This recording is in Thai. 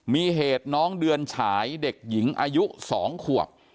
มีเหตุน้องเดือนฉายเด็กหญิงอายุ๒ขวบ